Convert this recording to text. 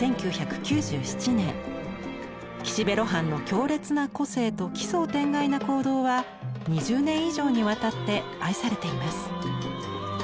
岸辺露伴の強烈な個性と奇想天外な行動は２０年以上にわたって愛されています。